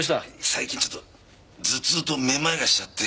最近ちょっと頭痛とめまいがしちゃって。